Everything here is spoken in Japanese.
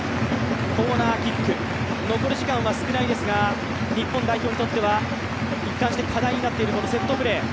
コーナーキック、残り時間は少ないですが日本代表にとっては一貫して課題になっているこのセットプレー